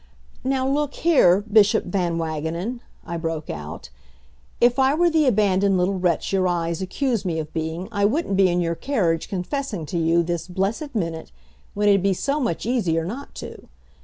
"Now, look here, Bishop Van Wagenen," I broke out, "if I were the abandoned little wretch your eyes accuse me of being I wouldn't be in your carriage confessing to you this blessed minute when it'd be so much easier not to.